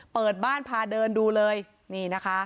เปิดบ้านพาเดินดูเลยนี่นะคะ